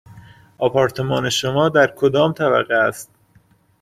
آپارتمان شما در کدام طبقه است؟